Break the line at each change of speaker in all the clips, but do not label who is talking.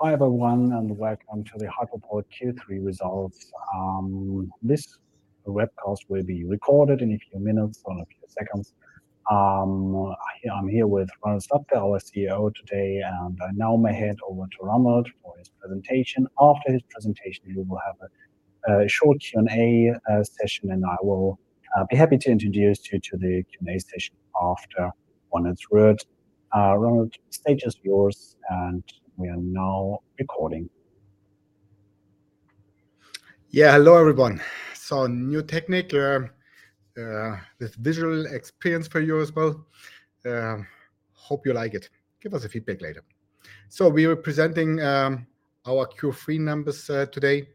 Hi everyone, and welcome to the Hypoport Q3 Results. This webcast will be recorded in a few minutes, one or two seconds. I'm here with Ronald Slabke, our CEO, today, and I now may hand over to Ronald for his presentation. After his presentation, we will have a short Q&A session, and I will be happy to introduce you to the Q&A session after Ronald's words. Ronald, stage is yours, and we are now recording.
Yeah, hello everyone. So, new technique, with visual experience for you as well. Hope you like it. Give us a feedback later. So, we are presenting our Q3 numbers today,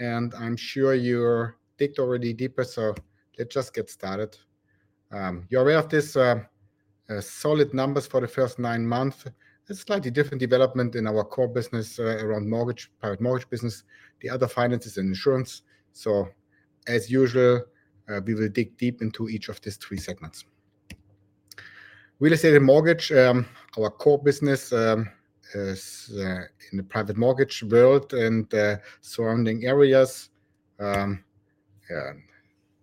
and I'm sure you digged already deeper, so let's just get started. You're aware of this, solid numbers for the first nine months. It's slightly different development in our core business, around mortgage, private mortgage business, the other finances, and insurance. So, as usual, we will dig deep into each of these three segments. Real Estate & Mortgage, our core business, is in the private mortgage world and surrounding areas, yeah,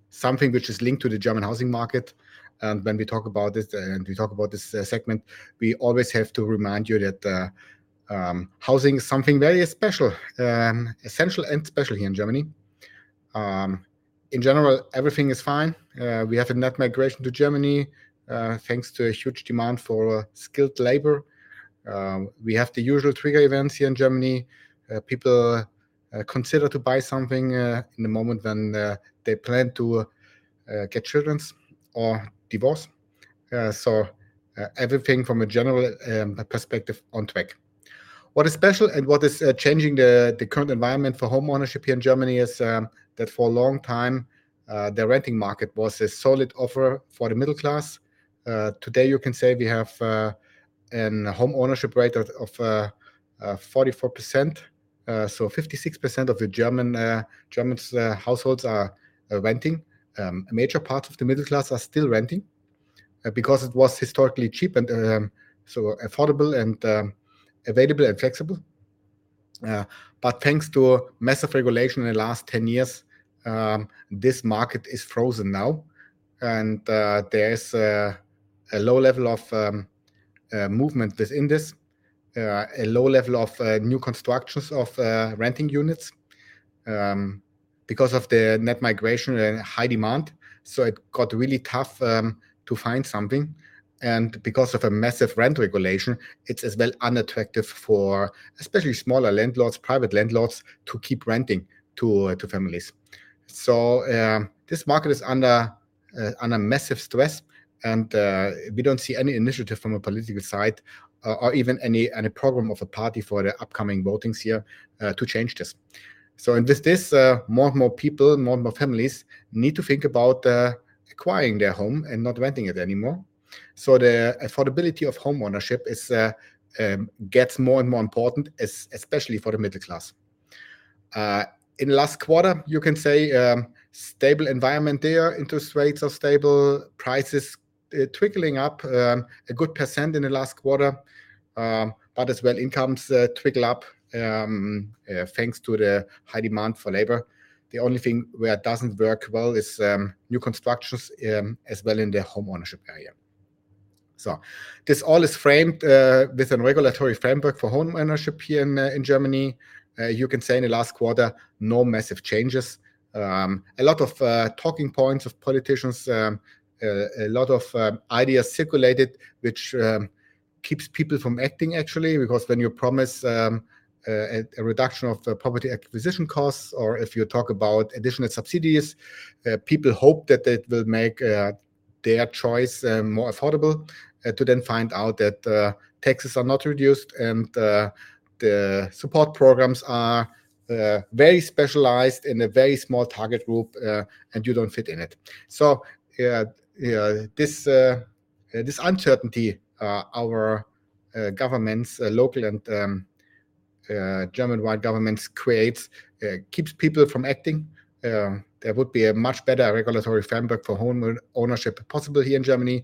something which is linked to the German housing market. And when we talk about this, and we talk about this segment, we always have to remind you that housing is something very special, essential and special here in Germany. In general, everything is fine. We have a net migration to Germany, thanks to a huge demand for skilled labor. We have the usual trigger events here in Germany. People consider to buy something in the moment when they plan to get children or divorce. So everything from a general perspective on track. What is special and what is changing the current environment for homeownership here in Germany is that for a long time the renting market was a solid offer for the middle class. Today you can say we have a homeownership rate of 44%. So 56% of the German households are renting. A major part of the middle class are still renting because it was historically cheap and so affordable and available and flexible. But thanks to massive regulation in the last 10 years, this market is frozen now, and there is a low level of movement within this, a low level of new constructions of renting units because of the net migration and high demand. So it got really tough to find something. And because of a massive rent regulation, it's as well unattractive for especially smaller landlords, private landlords to keep renting to families. So this market is under massive stress, and we don't see any initiative from a political side, or even any program of a party for the upcoming elections here to change this. So in this more and more people, more and more families need to think about acquiring their home and not renting it anymore. So the affordability of homeownership is gets more and more important, especially for the middle class. In the last quarter, you can say, stable environment there, interest rates are stable, prices trickling up a good percent in the last quarter, but as well incomes trickle up, thanks to the high demand for labor. The only thing where it doesn't work well is new constructions, as well in the homeownership area. So this all is framed with a regulatory framework for homeownership here in Germany. You can say in the last quarter, no massive changes. A lot of talking points of politicians, a lot of ideas circulated, which keeps people from acting actually, because when you promise a reduction of property acquisition costs, or if you talk about additional subsidies, people hope that it will make their choice more affordable, to then find out that taxes are not reduced and the support programs are very specialized in a very small target group, and you don't fit in it. So this uncertainty our governments, local and German-wide governments, creates keeps people from acting. There would be a much better regulatory framework for homeownership possible here in Germany.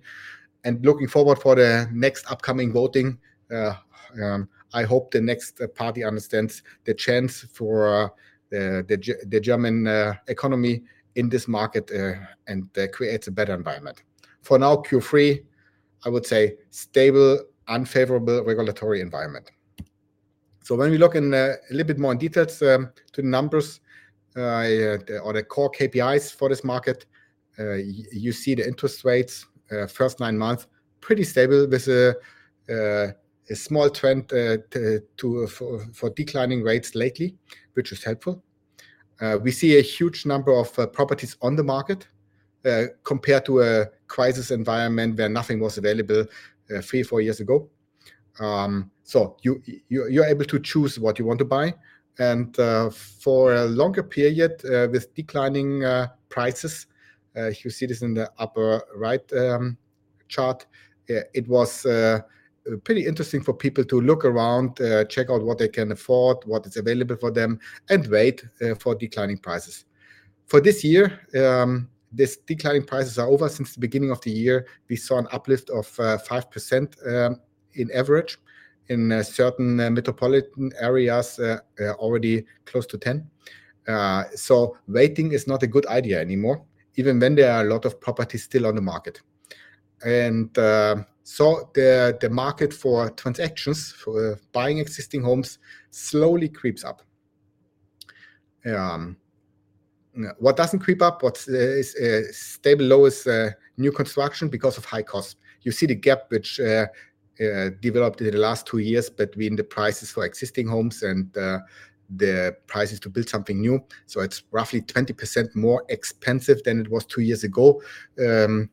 Looking forward to the next upcoming voting, I hope the next party understands the chance for the German economy in this market and creates a better environment. For now, Q3, I would say stable, unfavorable regulatory environment. So when we look in a little bit more in details to the numbers or the core KPIs for this market, you see the interest rates first nine months pretty stable with a small trend to declining rates lately, which is helpful. We see a huge number of properties on the market compared to a crisis environment where nothing was available three four years ago, so you are able to choose what you want to buy. For a longer period with declining prices, you see this in the upper right chart; it was pretty interesting for people to look around, check out what they can afford, what is available for them, and wait for declining prices. For this year, these declining prices are over since the beginning of the year. We saw an uplift of 5% on average in certain metropolitan areas, already close to 10%. So waiting is not a good idea anymore, even when there are a lot of properties still on the market. And so the market for transactions for buying existing homes slowly creeps up. What doesn't creep up, what is stably low is new construction because of high cost. You see the gap which developed in the last two years between the prices for existing homes and the prices to build something new. So it's roughly 20% more expensive than it was two years ago, versus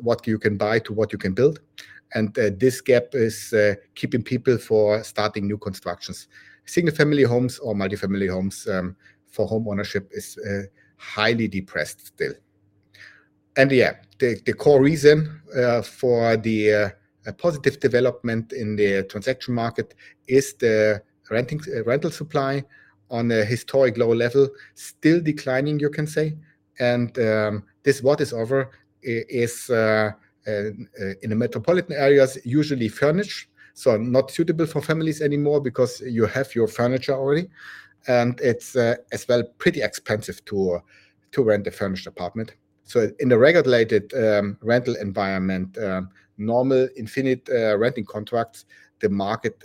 what you can buy to what you can build. And this gap is keeping people from starting new constructions. Single-family homes or multifamily homes, homeownership is highly depressed still. Yeah, the core reason for the positive development in the transaction market is the rental supply on a historic low level, still declining, you can say. This, what is offered, is in the metropolitan areas, usually furnished, so not suitable for families anymore because you have your furniture already. It's as well pretty expensive to rent a furnished apartment. So in the regulated rental environment, normal indefinite renting contracts, the market,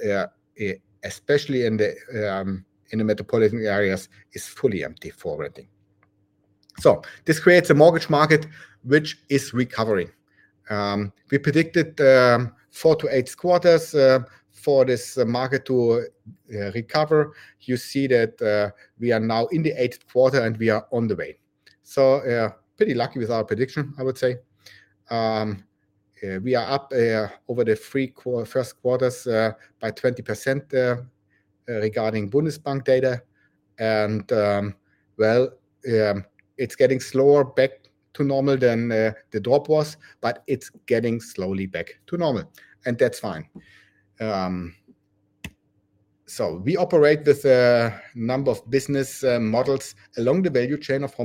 especially in the metropolitan areas, is fully empty for renting. So this creates a mortgage market which is recovering. We predicted four to eight quarters for this market to recover. You see that we are now in the eighth quarter and we are on the way. Pretty lucky with our prediction, I would say. We are up over the first three quarters by 20%, regarding Bundesbank data. And well, it's getting slower back to normal than the drop was, but it's getting slowly back to normal. And that's fine. So we operate with a number of business models along the value chain of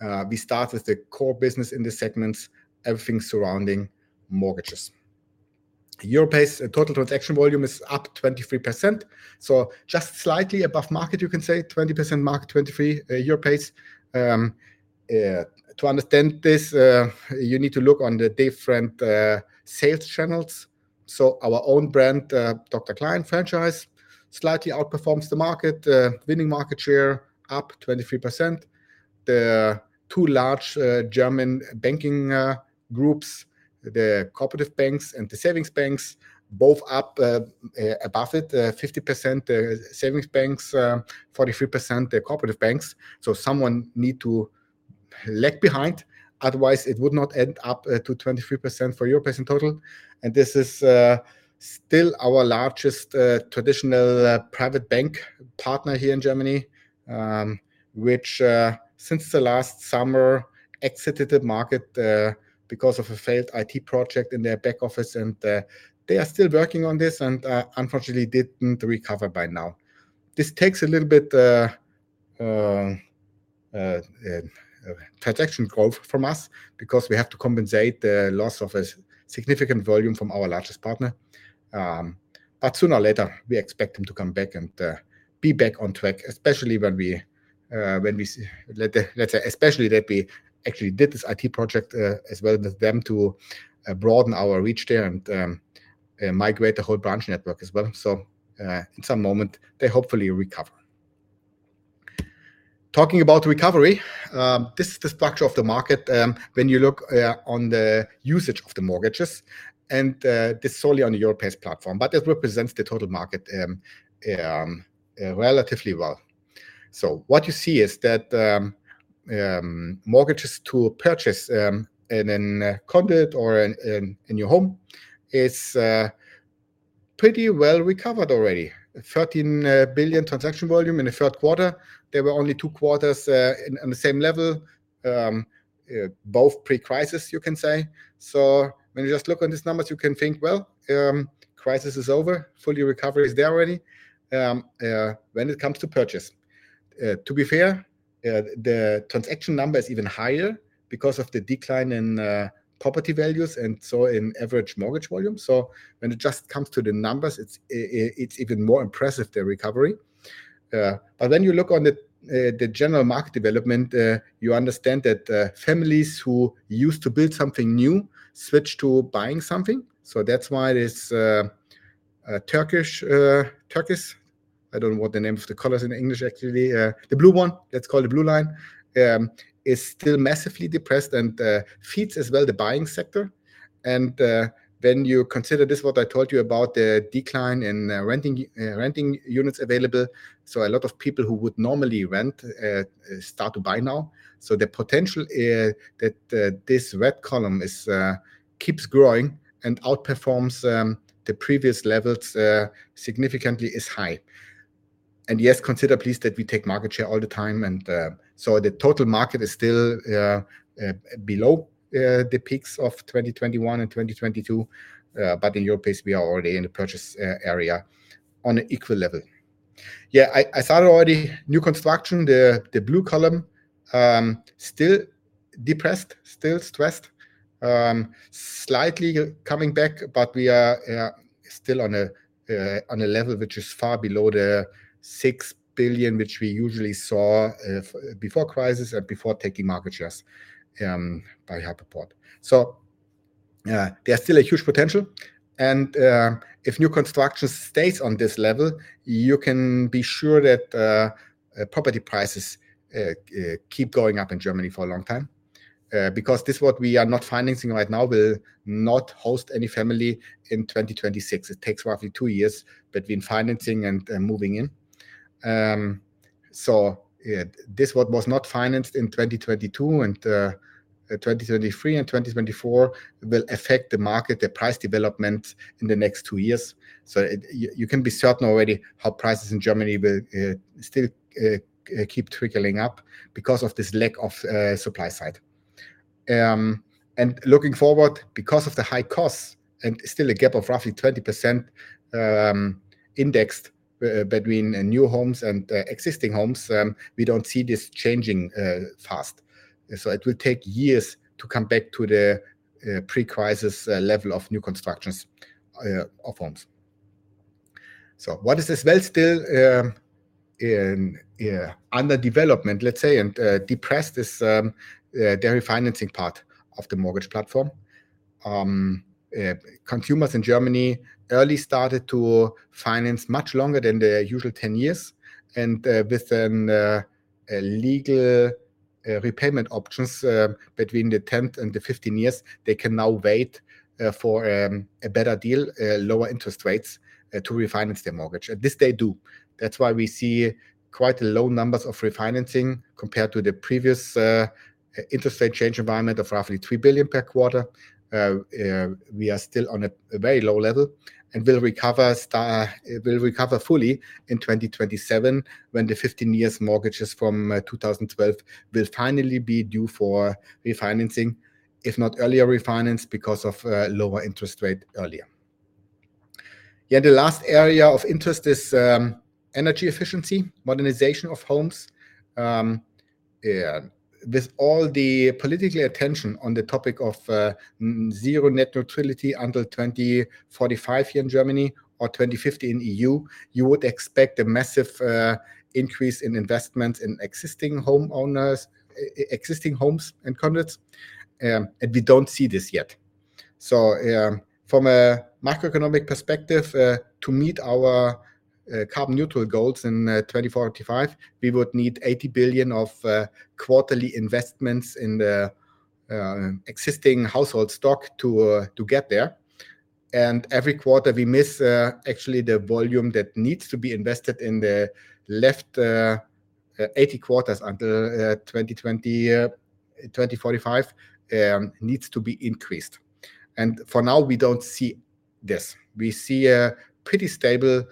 homeownership. We start with the core business in the segments, everything surrounding mortgages. Europace's total transaction volume is up 23%. So just slightly above market, you can say 20% market, 23. Europace's. To understand this, you need to look at the different sales channels. So our own brand, Dr. Klein franchise slightly outperforms the market, winning market share up 23%. The two large German banking groups, the Cooperative Banks and the Savings Banks, both up above it 50%, Savings Banks 43%, Cooperative Banks. So someone needs to lag behind. Otherwise, it would not end up to 23% for Europace's total. This is still our largest traditional private bank partner here in Germany, which since last summer exited the market because of a failed IT project in their back office. They are still working on this and unfortunately didn't recover by now. This takes a little bit transaction growth from us because we have to compensate the loss of a significant volume from our largest partner. But sooner or later we expect them to come back and be back on track, especially when we let the, let's say, especially that we actually did this IT project as well as them to broaden our reach there and migrate the whole branch network as well. In some moment they hopefully recover. Talking about recovery, this is the structure of the market when you look on the usage of the mortgages. And this is solely on the Europace platform, but it represents the total market relatively well. What you see is that mortgages to purchase in a condo or in your home is pretty well recovered already. 13 billion transaction volume in the third quarter. There were only two quarters on the same level, both pre-crisis, you can say. When you just look at these numbers, you can think, well, crisis is over, fully recovery is there already. When it comes to purchase, to be fair, the transaction number is even higher because of the decline in property values and so in average mortgage volume. When it just comes to the numbers, it's even more impressive, the recovery. But when you look on the general market development, you understand that families who used to build something new switch to buying something. So that's why this turquoise, I don't know what the name of the color is in English, actually, the blue one, let's call it the blue line, is still massively depressed and feeds as well the buying sector. When you consider this, what I told you about the decline in rental units available. So a lot of people who would normally rent start to buy now. So the potential that this red column keeps growing and outperforms the previous levels significantly is high. Yes, consider please that we take market share all the time. So the total market is still below the peaks of 2021 and 2022. But in your case, we are already in the purchase area on an equal level. Yeah, I started already new construction. The blue column still depressed, still stressed, slightly coming back, but we are still on a level which is far below the 6 billion which we usually saw before crisis and before taking market shares by Hypoport. So there's still a huge potential. And if new construction stays on this level, you can be sure that property prices keep going up in Germany for a long time, because this is what we are not financing right now. We'll not host any family in 2026. It takes roughly two years between financing and moving in. So this what was not financed in 2022 and 2023 and 2024 will affect the market, the price development in the next two years. You can be certain already how prices in Germany will still keep trickling up because of this lack of supply side. And looking forward, because of the high costs and still a gap of roughly 20%, indexed, between new homes and existing homes, we don't see this changing fast. It will take years to come back to the pre-crisis level of new constructions of homes. What is as well still under development, let's say, and depressed is the refinancing part of the mortgage platform. Consumers in Germany early started to finance much longer than the usual 10 years. And with legal repayment options between the 10th and the 15 years, they can now wait for a better deal, lower interest rates, to refinance their mortgage. And this they do. That's why we see quite a low numbers of refinancing compared to the previous interest rate change environment of roughly 3 billion per quarter. We are still on a very low level and will recover fully in 2027 when the 15-year mortgages from 2012 will finally be due for refinancing, if not earlier refinanced because of lower interest rate earlier. Yeah, the last area of interest is energy efficiency, modernization of homes. With all the political attention on the topic of carbon neutrality until 2045 here in Germany or 2050 in the EU, you would expect a massive increase in investments in existing homeowners, existing homes and condos, and we don't see this yet. From a macroeconomic perspective, to meet our carbon neutral goals in 2045, we would need 80 billion of quarterly investments in the existing household stock to get there. Every quarter we miss, actually the volume that needs to be invested in the last 80 quarters until 2045 needs to be increased. For now we don't see this. We see a pretty stable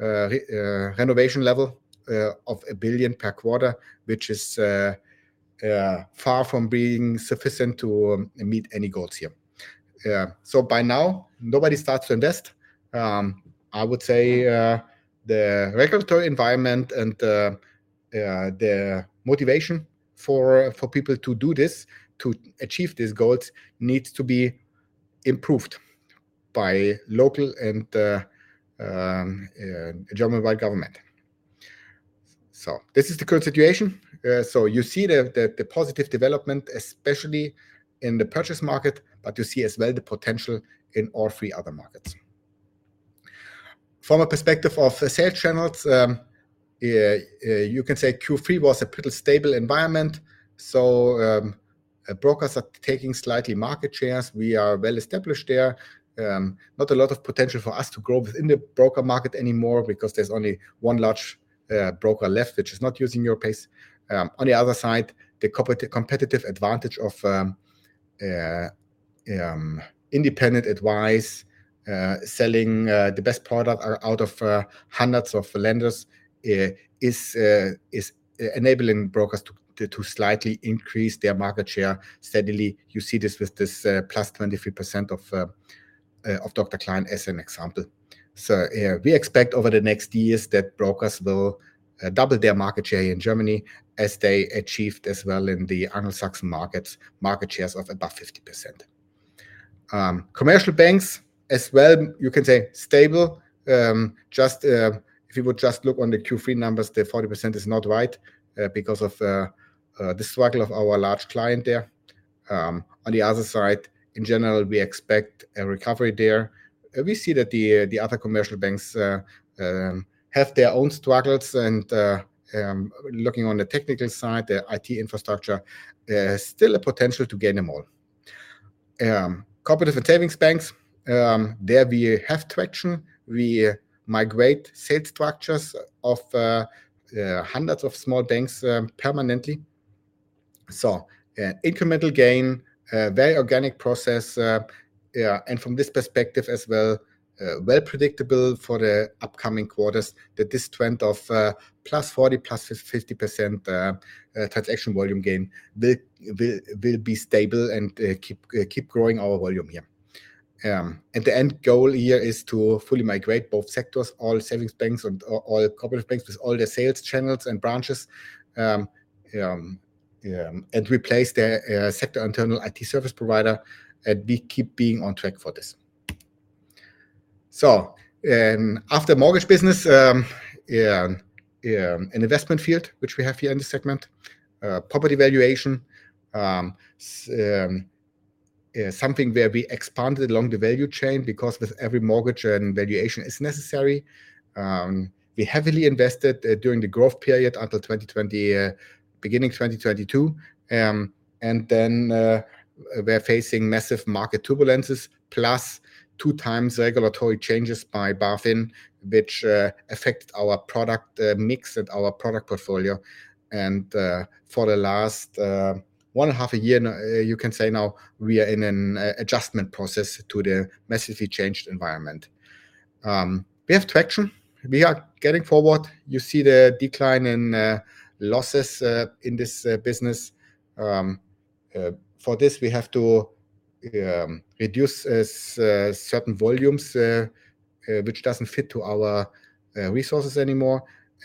renovation level of 1 billion per quarter, which is far from being sufficient to meet any goals here. By now nobody starts to invest. I would say the regulatory environment and the motivation for people to do this, to achieve these goals needs to be improved by local and German-wide government. This is the current situation. You see the positive development, especially in the purchase market, but you see as well the potential in all three other markets. From a perspective of sales channels, you can say Q3 was a pretty stable environment. Brokers are taking slightly market shares. We are well established there. Not a lot of potential for us to grow within the broker market anymore because there's only one large broker left which is not using Europace. On the other side, the competitive advantage of independent advice, selling the best product out of hundreds of lenders, is enabling brokers to slightly increase their market share steadily. You see this with this plus 23% of Dr. Klein as an example. So, we expect over the next years that brokers will double their market share here in Germany as they achieved as well in the Anglo-Saxon markets, market shares of above 50%. Commercial banks as well, you can say stable. Just, if you would just look on the Q3 numbers, the 40% is not right, because of the struggle of our large client there. On the other side, in general, we expect a recovery there. We see that the other commercial banks have their own struggles and, looking on the technical side, the IT infrastructure still a potential to gain them all. Cooperative and Savings Banks, there we have traction. We migrate sales structures of hundreds of small banks permanently. So, incremental gain, very organic process, and from this perspective as well, well predictable for the upcoming quarters that this trend of plus 40%, plus 50% transaction volume gain will be stable and keep growing our volume here, and the end goal here is to fully migrate both sectors, all Savings Banks and all Cooperative Banks with all the sales channels and branches, and replace the sector internal IT service provider, and we keep being on track for this. So, after mortgage business, an investment field which we have here in the segment, property valuation, something where we expanded along the value chain because with every mortgage and valuation is necessary. We heavily invested during the growth period until 2020, beginning 2022. And then, we're facing massive market turbulences, plus two times regulatory changes by BaFin, which affected our product mix and our product portfolio. And, for the last one and a half a year, you can say now we are in an adjustment process to the massively changed environment. We have traction. We are getting forward. You see the decline in losses in this business. For this we have to reduce certain volumes, which doesn't fit to our resources anymore.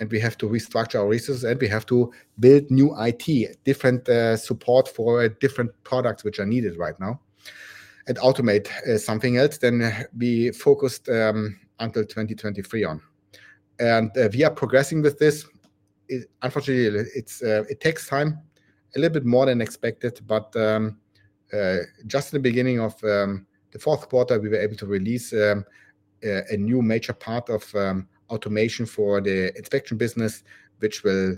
We have to restructure our resources and we have to build new IT, different support for different products which are needed right now and automate something else than we focused on until 2023. We are progressing with this. Unfortunately, it takes time a little bit more than expected, but just in the beginning of the fourth quarter, we were able to release a new major part of automation for the inspection business, which will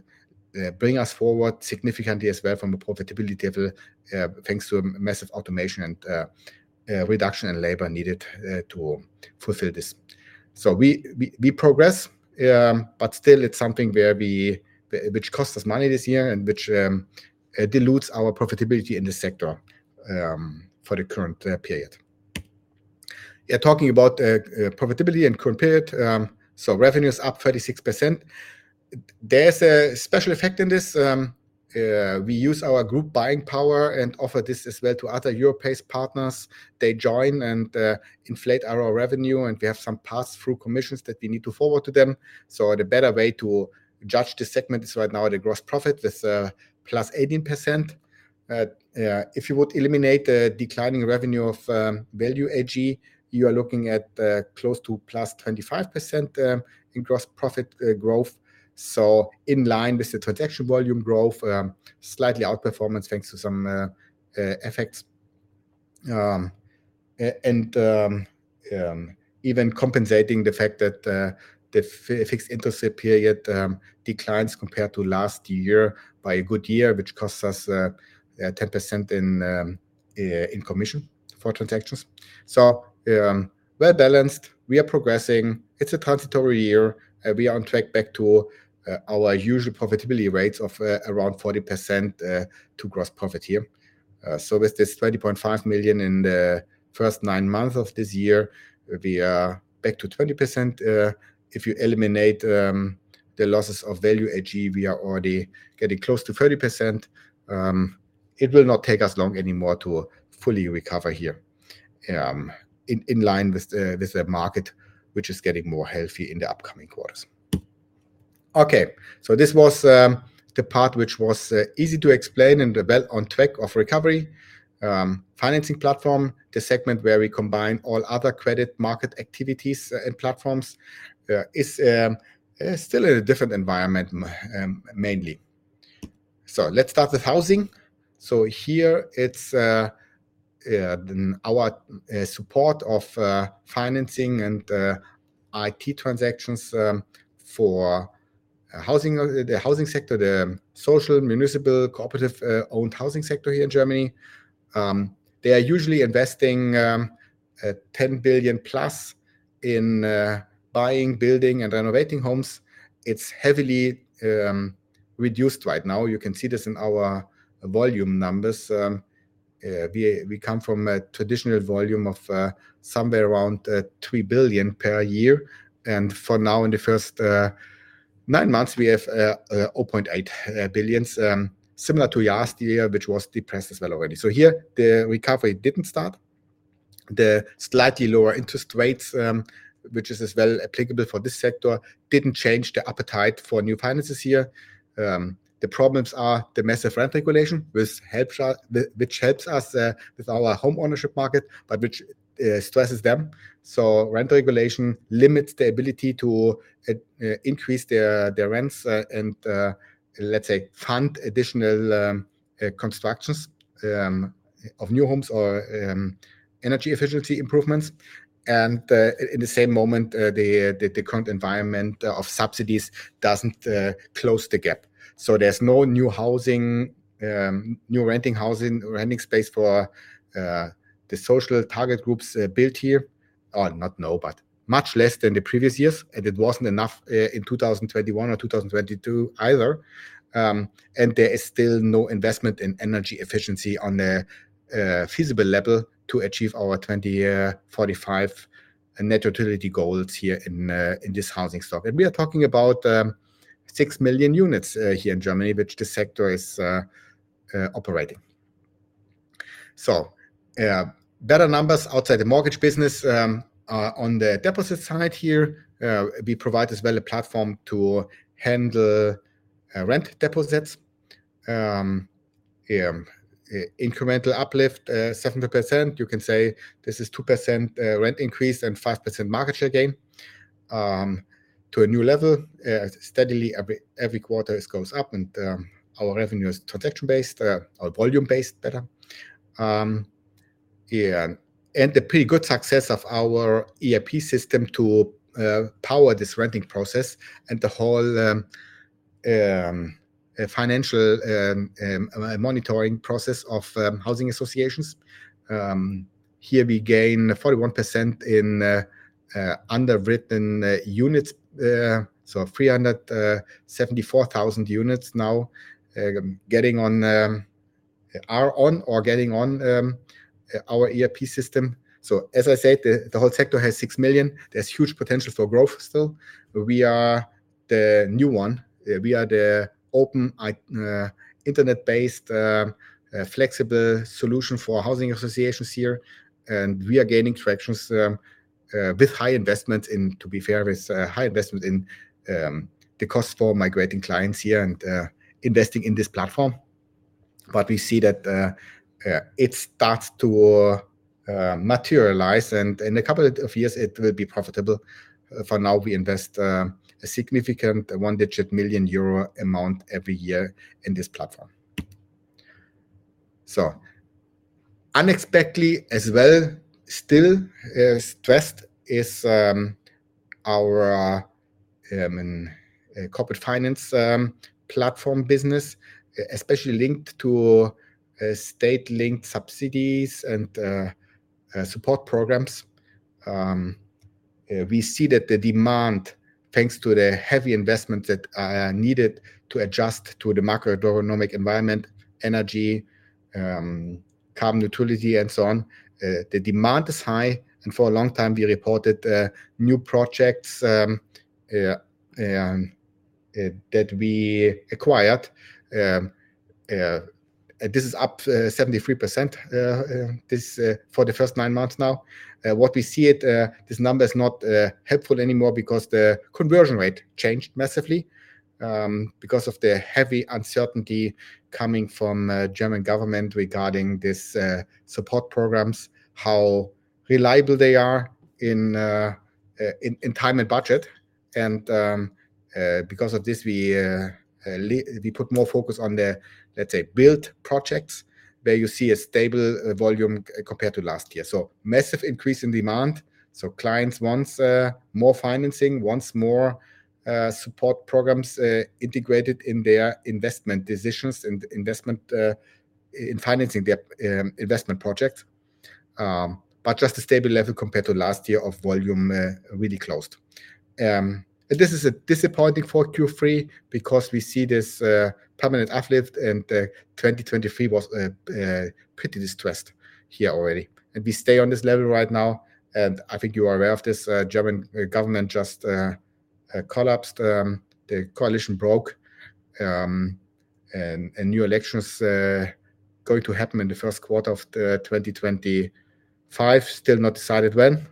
bring us forward significantly as well from a profitability level, thanks to a massive automation and reduction in labor needed to fulfill this. So we progress, but still it's something which costs us money this year and which dilutes our profitability in the sector for the current period. Yeah, talking about profitability and current period, so revenues up 36%. There's a special effect in this. We use our group buying power and offer this as well to other Europace partners. They join and inflate our revenue, and we have some pass-through commissions that we need to forward to them. The better way to judge this segment is right now the gross profit with plus 18%. If you would eliminate the declining revenue of Value AG, you are looking at close to plus 25% in gross profit growth. In line with the transaction volume growth, slightly outperformance thanks to some effects and even compensating the fact that the fixed interest period declines compared to last year by a good year, which costs us 10% in commission for transactions. Well balanced, we are progressing. It's a transitory year. We are on track back to our usual profitability rates of around 40% to gross profit here. So with this 20.5 million in the first nine months of this year, we are back to 20%. If you eliminate the losses of Value AG, we are already getting close to 30%. It will not take us long anymore to fully recover here, in line with the market, which is getting more healthy in the upcoming quarters. Okay, so this was the part which was easy to explain and well on track of recovery. Financing platform, the segment where we combine all other credit market activities and platforms, is still in a different environment, mainly. So let's start with housing. So here it's our support of Financing and IT transactions for housing, the housing sector, the social municipal cooperative-owned housing sector here in Germany. They are usually investing 10 billion+ in buying, building, and renovating homes. It's heavily reduced right now. You can see this in our volume numbers. We come from a traditional volume of somewhere around 3 billion per year, and for now, in the first nine months, we have 0.8 billion, similar to last year, which was depressed as well already, so here the recovery didn't start. The slightly lower interest rates, which is as well applicable for this sector, didn't change the appetite for new finances here. The problems are the massive rent regulation, which helps us with our home ownership market, but which stresses them, so rent regulation limits the ability to increase their rents and, let's say, fund additional constructions of new homes or energy efficiency improvements, and in the same moment, the current environment of subsidies doesn't close the gap, so there's no new housing, new renting housing, renting space for the social target groups built here. Or not. No, but much less than the previous years. It wasn't enough in 2021 or 2022 either. There is still no investment in energy efficiency on the feasible level to achieve our 2045 carbon neutral goals here in this housing stock. We are talking about 6 million units here in Germany which the sector is operating. Better numbers outside the mortgage business on the deposit side. Here we provide as well a platform to handle rent deposits. Incremental uplift 70%. You can say this is 2% rent increase and 5% market share gain to a new level. Steadily every every quarter it goes up and our revenue is transaction based, our volume based better. Yeah, and the pretty good success of our ERP system to power this renting process and the whole financial monitoring process of housing associations. Here we gain 41% in underwritten units, so 374,000 units now, are on or getting on our ERP system. So as I said, the whole sector has 6 million. There's huge potential for growth still. We are the new one. We are the open, internet-based, flexible solution for housing associations here. And we are gaining traction, with high investment in, to be fair, the cost for migrating clients here and investing in this platform. But we see that it starts to materialize and in a couple of years it will be profitable. For now we invest a significant one-digit million EUR amount every year in this platform. So unexpectedly as well still, stressed is our corporate finance platform business, especially linked to state-linked subsidies and support programs. We see that the demand, thanks to the heavy investment that are needed to adjust to the macroeconomic environment, energy, carbon neutrality and so on, the demand is high, and for a long time we reported new projects that we acquired. This is up 73%, this for the first nine months now. What we see is this number is not helpful anymore because the conversion rate changed massively because of the heavy uncertainty coming from the German government regarding this support programs, how reliable they are in time and budget, and because of this we put more focus on the, let's say, built projects where you see a stable volume compared to last year, so massive increase in demand, so clients wants more financing, wants more support programs integrated in their investment decisions and investment in financing their investment projects. But just a stable level compared to last year of volume really close. This is a disappointing for Q3 because we see this permanent uplift, and 2023 was pretty distressed here already. We stay on this level right now. I think you are aware of this. German government just collapsed. The coalition broke. New elections going to happen in the first quarter of 2025, still not decided when.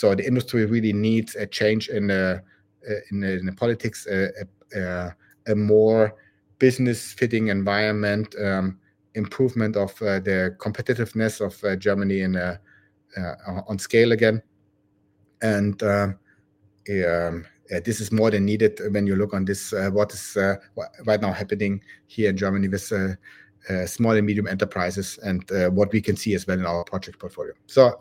The industry really needs a change in the politics, a more business-friendly environment, improvement of the competitiveness of Germany on scale again. This is more than needed when you look at this what is right now happening here in Germany with small and medium enterprises and what we can see as well in our project portfolio. So,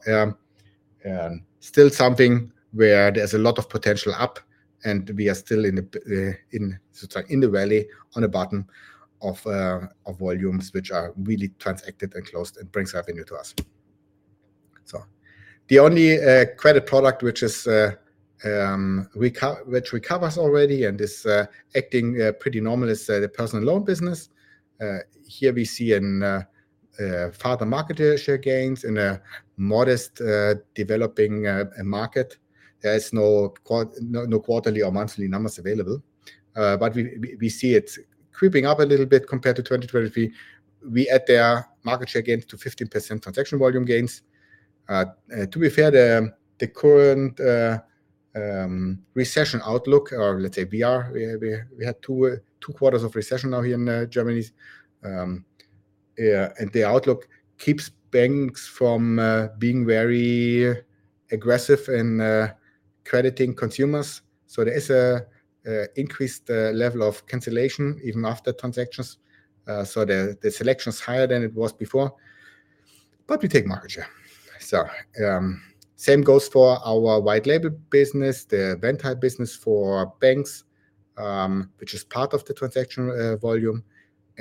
still something where there's a lot of potential up and we are still in the, so it's like in the valley on the bottom of volumes which are really transacted and closed and brings revenue to us. So the only credit product which recovers already and is acting pretty normal is the personal loan business. Here we see further market share gains in a modestly developing market. There is no quarterly or monthly numbers available. But we see it's creeping up a little bit compared to 2023. We add their market share gains to 15% transaction volume gains. To be fair, the current recession outlook or let's say we had two quarters of recession now here in Germany, and the outlook keeps banks from being very aggressive in crediting consumers. So there is an increased level of cancellation even after transactions. So the selection is higher than it was before. But we take market share. So same goes for our white label business, the vent.io business for banks, which is part of the transaction volume,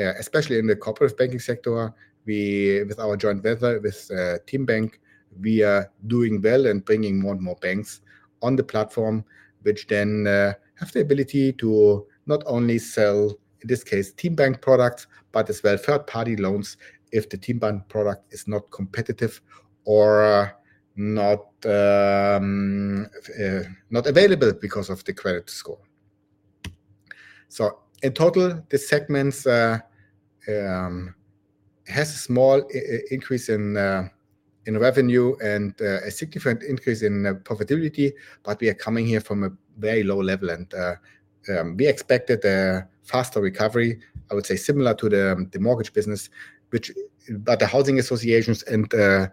especially in the corporate banking sector. We, with our joint venture with TeamBank, we are doing well and bringing more and more banks on the platform, which then have the ability to not only sell, in this case, TeamBank products, but as well third party loans if the TeamBank product is not competitive or not available because of the credit score. In total, the segments has a small increase in revenue and a significant increase in profitability, but we are coming here from a very low level and we expected a faster recovery, I would say similar to the mortgage business but the housing associations and the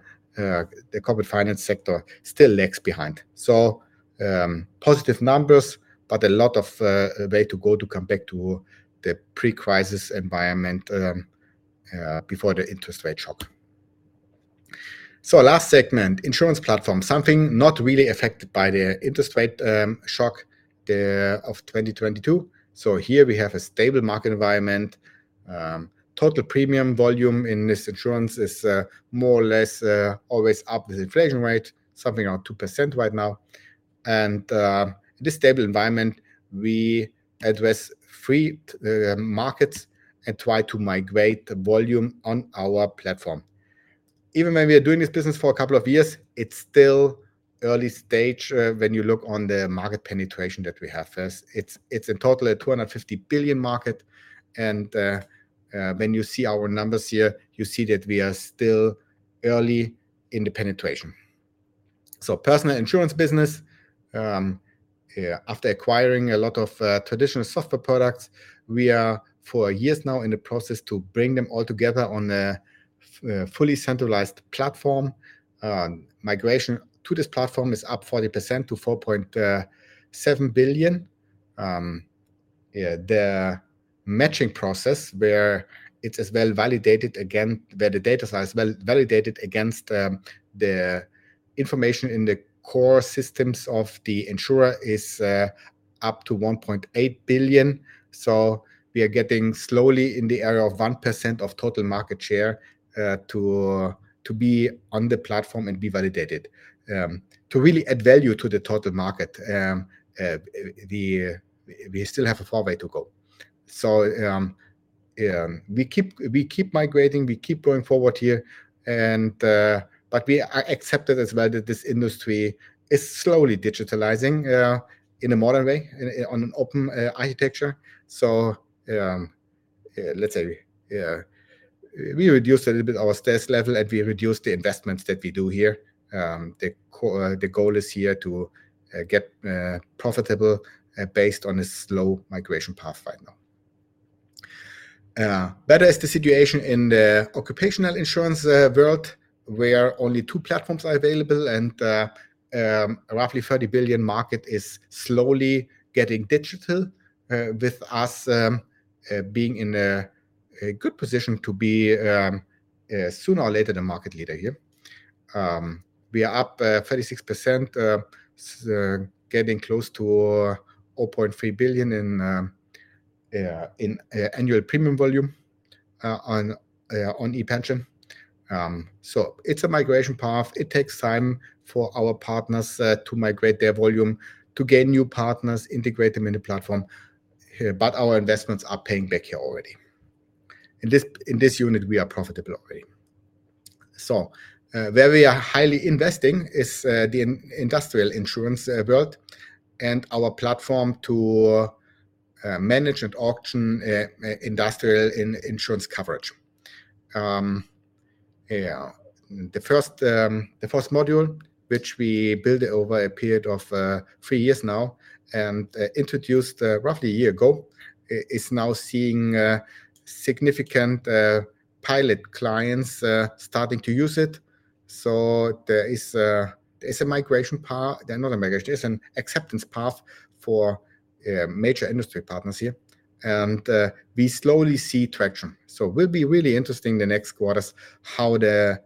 corporate finance sector still lags behind. Positive numbers, but a long way to go to come back to the pre-crisis environment before the interest rate shock. Last segment, Insurtech platform, something not really affected by the interest rate shock of 2022. Here we have a stable market environment. Total premium volume in this insurance is more or less always up with inflation rate, something around 2% right now, and in this stable environment, we address three markets and try to migrate the volume on our platform. Even when we are doing this business for a couple of years, it's still early stage, when you look on the market penetration that we have. It's in total a 250 billion market. When you see our numbers here, you see that we are still early in the penetration. So personal insurance business, after acquiring a lot of traditional software products, we are for years now in the process to bring them all together on a fully centralized platform. Migration to this platform is up 40% to 4.7 billion. The matching process where it's as well validated again, where the data is validated against the information in the core systems of the insurer is up to 1.8 billion. So we are getting slowly in the area of 1% of total market share, to be on the platform and be validated, to really add value to the total market. We still have a far way to go. We keep migrating, we keep going forward here. But we accepted as well that this industry is slowly digitalizing, in a modern way on an open architecture. So, let's say, we reduce a little bit our stress level and we reduce the investments that we do here. The goal is here to get profitable, based on a slow migration path right now. Better is the situation in the occupational insurance world where only two platforms are available and roughly 30 billion market is slowly getting digital, with us being in a good position to be sooner or later the market leader here. We are up 36%, getting close to 0.3 billion in annual premium volume on ePension. It's a migration path. It takes time for our partners to migrate their volume, to gain new partners, integrate them in the platform. Our investments are paying back here already. In this unit, we are profitable already. Where we are highly investing is the industrial insurance world and our platform to manage and auction industrial insurance coverage. Yeah, the first module, which we built over a period of three years now and introduced roughly a year ago, is now seeing significant pilot clients starting to use it. There is a migration path. There's not a migration, there's an acceptance path for major industry partners here. We slowly see traction. So it will be really interesting the next quarters how the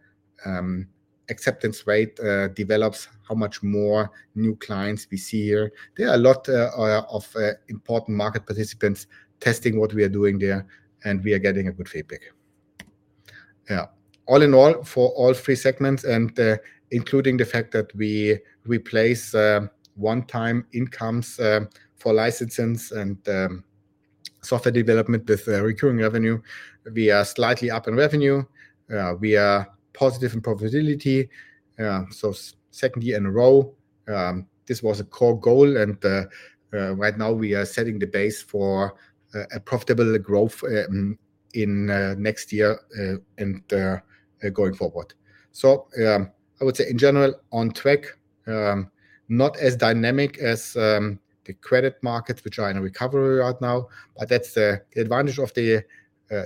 acceptance rate develops, how much more new clients we see here. There are a lot of important market participants testing what we are doing there and we are getting a good feedback. Yeah, all in all for all three segments and including the fact that we replace one-time incomes for licenses and software development with recurring revenue, we are slightly up in revenue. We are positive in profitability, so second year in a row this was a core goal and right now we are setting the base for a profitable growth in next year and going forward. I would say in general on track, not as dynamic as the credit markets, which are in a recovery right now, but that's the advantage of the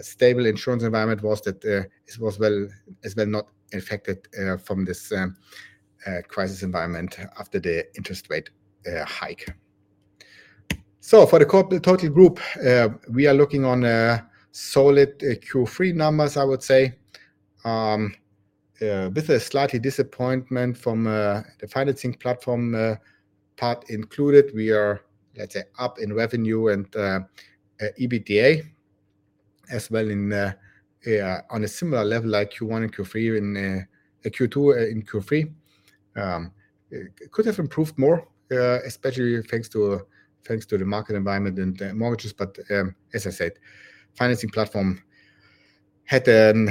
stable insurance environment. It was well, as well not affected from this crisis environment after the interest rate hike. For the corporate total group, we are looking on solid Q3 numbers, I would say, with a slight disappointment from the Financing platform part included. We are, let's say, up in revenue and EBITDA as well, on a similar level like Q1 and Q2 in Q3. It could have improved more, especially thanks to, thanks to the market environment and the mortgages. But, as I said, Financing platform had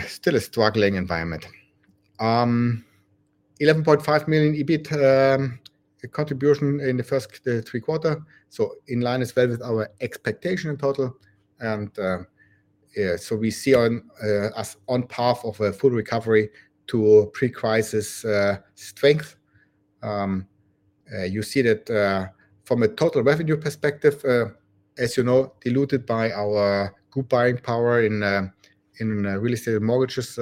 still a struggling environment. 11.5 million EBIT contribution in the first three quarters. So in line as well with our expectation in total. So we see ourselves on a path of a full recovery to pre-crisis strength. You see that, from a total revenue perspective, as you know, diluted by our good buying power in Real Estate & Mortgages,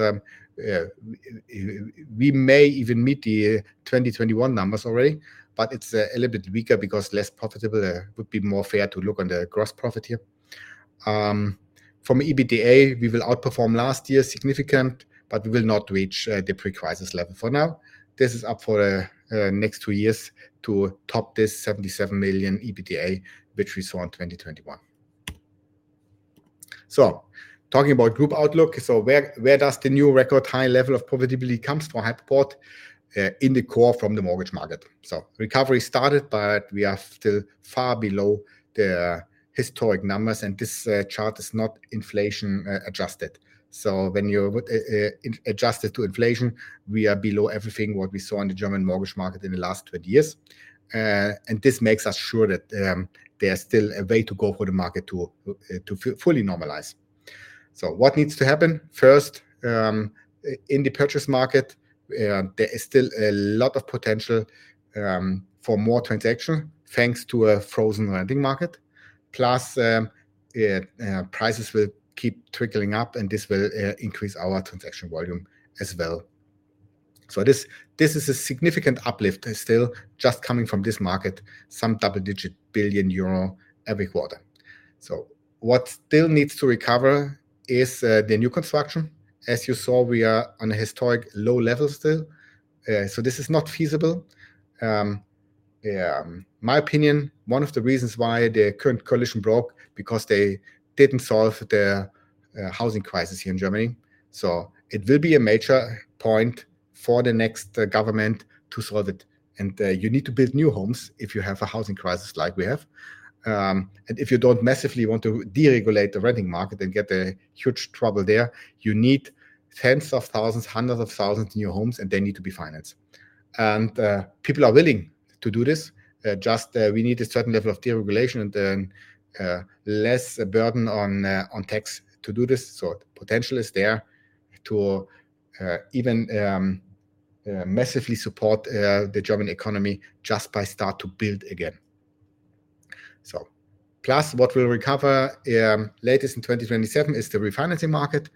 we may even meet the 2021 numbers already, but it's a little bit weaker because less profitable. It would be more fair to look on the gross profit here. From EBITDA, we will outperform last year significantly, but we will not reach the pre-crisis level for now. This is up for the next two years to top this 77 million EBITDA, which we saw in 2021. Talking about group outlook, where does the new record high level of profitability come from? Hypoport, in the core from the mortgage market. Recovery started, but we are still far below the historic numbers and this chart is not inflation adjusted. So when you would adjust it to inflation, we are below everything what we saw in the German mortgage market in the last 20 years. And this makes us sure that, there's still a way to go for the market to fully normalize. So what needs to happen first, in the purchase market, there is still a lot of potential, for more transaction thanks to a frozen lending market. Plus, prices will keep trickling up and this will increase our transaction volume as well. So this is a significant uplift still just coming from this market, some double digit billion EUR every quarter. So what still needs to recover is, the new construction. As you saw, we are on a historic low level still. So this is not feasible. my opinion, one of the reasons why the current coalition broke is because they didn't solve the housing crisis here in Germany, so it will be a major point for the next government to solve it, and you need to build new homes if you have a housing crisis like we have, and if you don't massively want to deregulate the renting market and get a huge trouble there, you need tens of thousands, hundreds of thousands of new homes and they need to be financed, and people are willing to do this. Just, we need a certain level of deregulation and then less burden on tax to do this, so potential is there to even massively support the German economy just by start to build again, so plus what will recover, latest in 2027, is the refinancing market,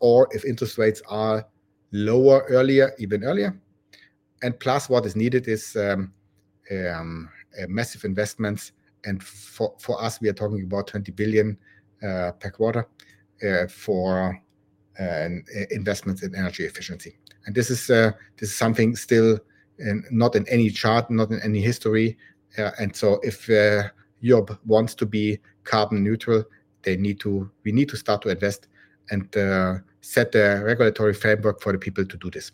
or if interest rates are lower earlier, even earlier. Plus what is needed is massive investments. For us, we are talking about 20 billion per quarter for investments in energy efficiency. This is something still not in any chart, not in any history. So if Europe wants to be carbon neutral, they need to, we need to start to invest and set the regulatory framework for the people to do this.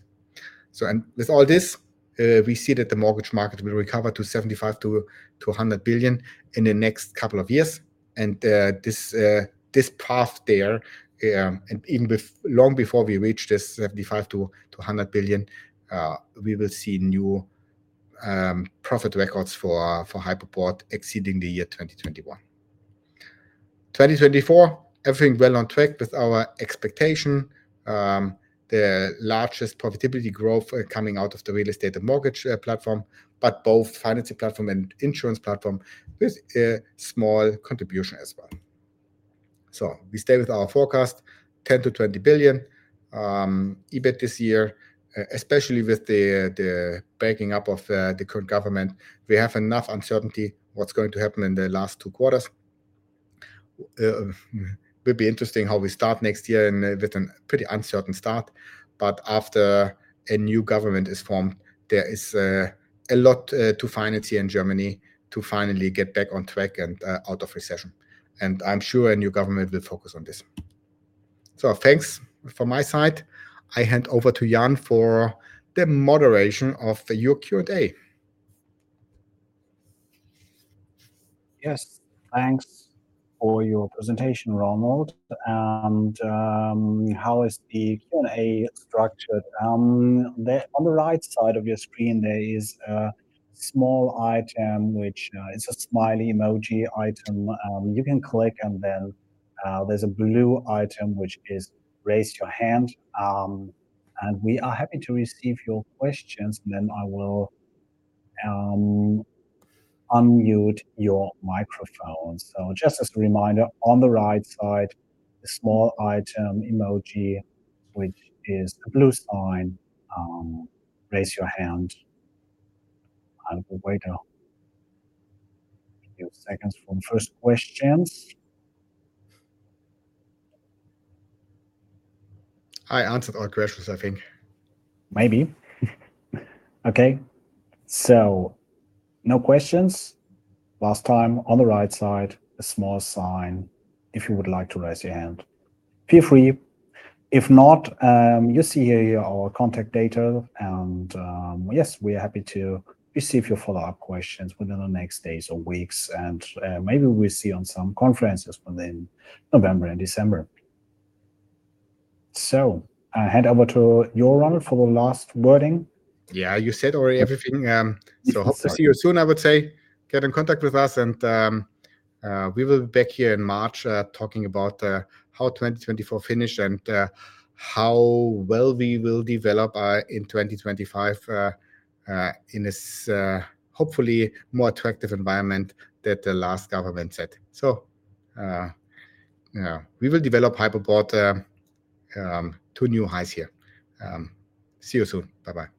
With all this, we see that the mortgage market will recover to 75-100 billion in the next couple of years. This path there, and even long before we reach this 75-100 billion, we will see new profit records for Hypoport exceeding the year 2021. 2024, everything well on track with our expectation. The largest profitability growth coming out of the Real Estate & Mortgage platform, but both Financing platform and Insurtech platform with a small contribution as well. So we stay with our forecast, 10-20 billion, EBIT this year, especially with the breaking up of the current government. We have enough uncertainty what's going to happen in the last two quarters. It will be interesting how we start next year and with a pretty uncertain start, but after a new government is formed, there is a lot to finance here in Germany to finally get back on track and out of recession, and I'm sure a new government will focus on this. So thanks from my side. I hand over to Jan for the moderation of your Q&A.
Yes, thanks for your presentation, Ronald, and how is the Q&A structured? There, on the right side of your screen, there is a small item, which it's a smiley emoji item. You can click and then there's a blue item, which is raise your hand. And we are happy to receive your questions. And then I will unmute your microphone. So just as a reminder, on the right side, the small item emoji, which is a blue sign, raise your hand. I will wait a few seconds for the first questions.
I answered all questions, I think.
Maybe. Okay. So no questions. Last time, on the right side, a small sign if you would like to raise your hand. Feel free. If not, you see here your contact data and yes, we are happy to receive your follow up questions within the next days or weeks. And maybe we'll see you on some conferences within November and December. So I hand over to you, Ronald, for the last wording.
Yeah, you said already everything. So hopefully see you soon, I would say. Get in contact with us and we will be back here in March, talking about how 2024 finished and how well we will develop in 2025, in this hopefully more attractive environment that the last government set. So, yeah, we will develop Hypoport to new highs here. See you soon. Bye-bye.